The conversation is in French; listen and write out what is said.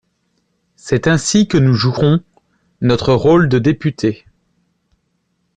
C’est ainsi que nous jouerons notre rôle de député.